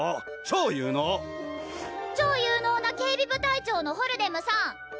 超有能な警備部隊長のホルデムさん